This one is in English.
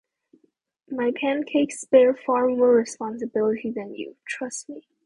My pancakes bear far more responsibility than you, trust me.